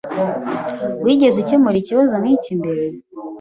Wigeze ukemura ikibazo nk'iki mbere?